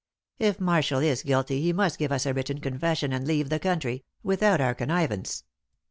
If Marshall is guilty he must give us a written confession and leave the country without our connivance.